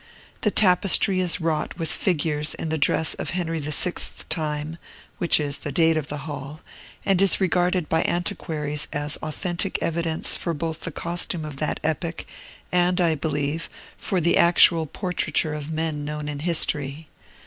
The tapestry is wrought with figures in the dress of Henry VI.'s time (which is the date of the hall), and is regarded by antiquaries as authentic evidence both for the costume of that epoch, and, I believe, for the actual portraiture of men known in history.